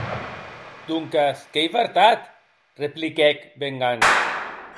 Donques qu’ei vertat!, repliquèc Ben Gunn.